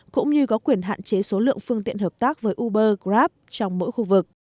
cũng như có quyền hạn chế số lượng phương tiện hợp tác với uber grab trong mỗi khu vực